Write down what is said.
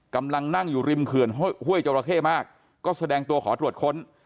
กำลังนั่งอยู่ริมเขื่อนห้วยจราเข้มากก็แสดงตัวขอตรวจค้น